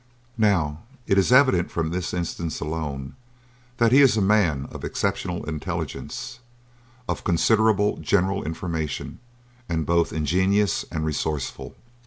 Now it is evident, from this instance alone, that he is a man of exceptional intelligence, of considerable general information, and both ingenious and resourceful.